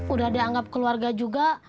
udah dianggap keluarga juga